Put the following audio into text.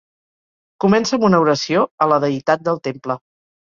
Comença amb una oració a la deïtat del temple.